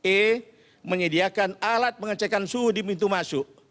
e menyediakan alat pengecekan suhu di pintu masuk